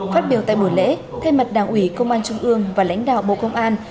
phát biểu tại buổi lễ thay mặt đảng ủy công an trung ương và lãnh đạo bộ công an